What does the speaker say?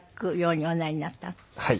はい。